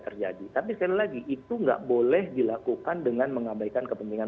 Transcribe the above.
terjadi tapi sekali lagi itu nggak boleh dilakukan dengan mengabaikan kepentingan